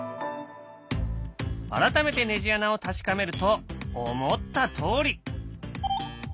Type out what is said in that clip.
改めてネジ穴を確かめると思ったとおり。